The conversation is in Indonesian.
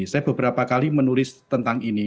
saya beberapa kali menulis tentang ini